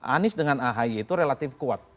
anies dengan ahy itu relatif kuat